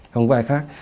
không có ai khác